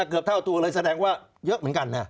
เกือบเท่าตัวเลยแสดงว่าเยอะเหมือนกันนะ